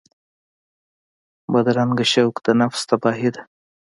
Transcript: بدرنګه شوق د نفس تباهي ده